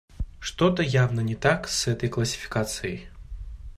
Что-то явно не так с этой классификацией.